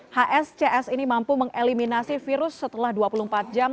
hscs ini mampu mengeliminasi virus setelah dua puluh empat jam